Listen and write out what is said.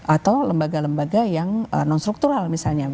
atau lembaga lembaga yang non struktural misalnya